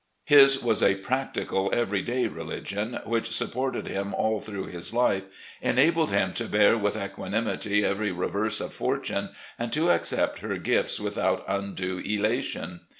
His was a practical, every day religion, which supported him all through his life, enabled him to bear with equa nimity every reverse of fortune, and to accept her gifts without undue elation.